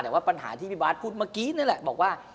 แต่ว่าปัญหาที่พี่บาทพูดเมื่อกี้นี่แหละบอกว่า